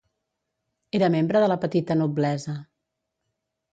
Era membre de la petita noblesa.